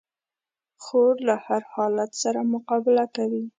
خور له هر حالت سره مقابله کوي.